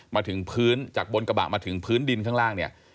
มาถึงพื้นจากบนกระบะมาถึงพื้นดินข้างล่างเนี่ย